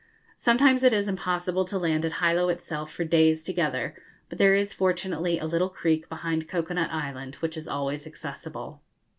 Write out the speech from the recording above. Sometimes it is impossible to land at Hilo itself for days together, but there is fortunately a little creek behind Cocoa nut Island which is always accessible.